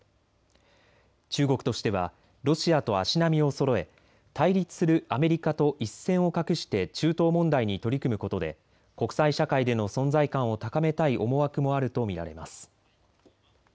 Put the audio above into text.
中国としてはロシアと足並みをそろえ対立するアメリカと一線を画して中東問題に取り組むことで国際社会での存在感を高めたい思惑もあると見られます。